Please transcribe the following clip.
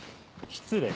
失礼。